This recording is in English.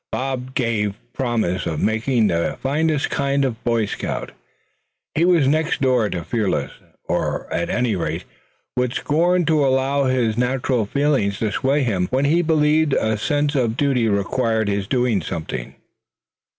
Bob gave promise of making the finest kind of a Boy Scout. He was next door to fearless; or at any rate would scorn to allow his natural feelings to sway him when he believed a sense of duty required his doing something.